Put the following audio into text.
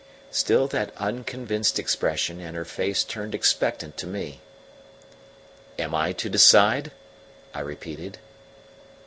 Still that unconvinced expression, and her face turned expectant to me. "Am I to decide?" I repeated.